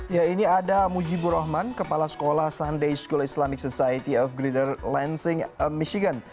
ya ini ada mujibur rahman kepala sekolah sunday school islamic society of grither lansing missigan